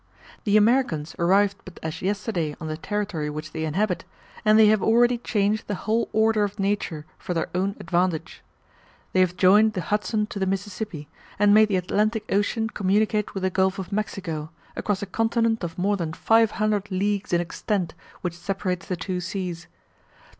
The Americans arrived but as yesterday on the territory which they inhabit, and they have already changed the whole order of nature for their own advantage. They have joined the Hudson to the Mississippi, and made the Atlantic Ocean communicate with the Gulf of Mexico, across a continent of more than five hundred leagues in extent which separates the two seas.